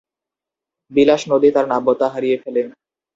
বিলাস নদী তার নাব্যতা হারিয়ে ফেলে।